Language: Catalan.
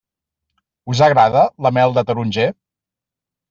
Us agrada la mel de taronger?